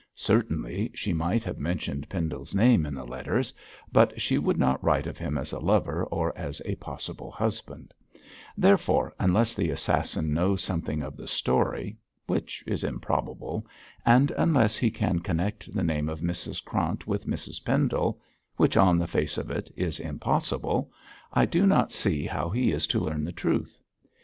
Certainly she might have mentioned Pendle's name in the letters, but she would not write of him as a lover or as a possible husband; therefore, unless the assassin knows something of the story, which is improbable, and unless he can connect the name of Mrs Krant with Mrs Pendle which on the face of it is impossible I do not see how he is to learn the truth.